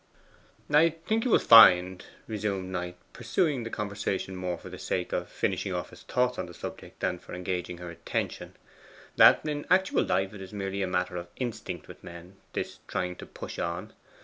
'I think you will find,' resumed Knight, pursuing the conversation more for the sake of finishing off his thoughts on the subject than for engaging her attention, 'that in actual life it is merely a matter of instinct with men this trying to push on.